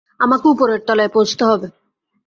আমাকে উপরের তলায় পৌঁছতে হবে।